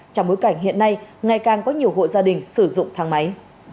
trong bối cảnh hiện nay ngày càng có nhiều hộ gia đình sử dụng thang máy